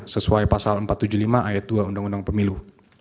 sesuai pasal empat ratus tujuh puluh lima ayat dua undang undang pemilu